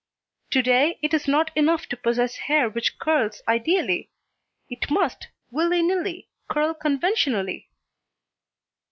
To day it is not enough to possess hair which curls ideally: it must, willy nilly, curl conventionally!